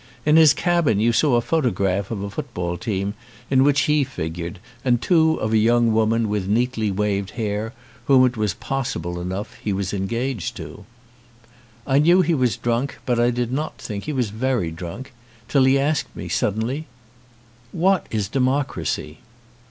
In his cabin you saw a photograph of a football team in which he figured and two of a young woman 164 THE SKIPPER with neatly waved hair whom it was possible enough he was engaged to. I knew he was drunk, but I did not think he was very drunk, till he asked me suddenly: "What is democracy?"